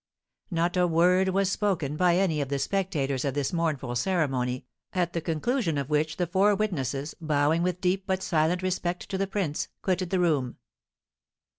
Not a word was spoken by any of the spectators of this mournful ceremony, at the conclusion of which the four witnesses, bowing with deep but silent respect to the prince, quitted the room.